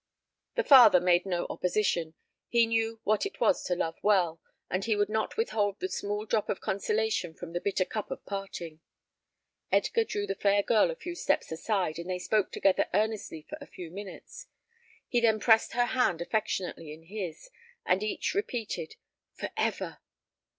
The father made no opposition; he knew what it was to love well, and he would not withhold the small drop of consolation from the bitter cup of parting. Edgar drew the fair girl a few steps aside, and they spoke together earnestly for a few minutes. He then pressed her hand affectionately in his, and each repeated "For ever!"